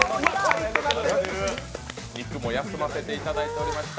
肉も休ませていただいておりました。